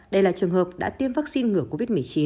đây là trường hợp đã tiêm vaccine ngừa covid một mươi chín